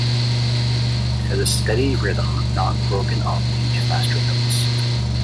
It had a steady rhythm, not broken up into faster notes.